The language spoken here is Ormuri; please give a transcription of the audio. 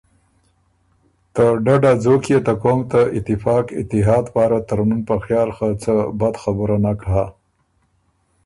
ته ډډ ا ځوک يې ته قوم ته اتفاق اتحاد پاره ترمُن په خیال خه څه بد خبُره نک هۀ۔